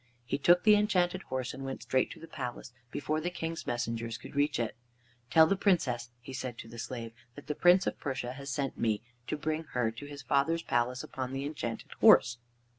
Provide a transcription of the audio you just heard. He took the Enchanted Horse, and went straight to the palace before the King's messengers could reach it. "Tell the Princess," he said to the slaves, "that the Prince of Persia has sent me to bring her to his father's palace upon the Enchanted Horse."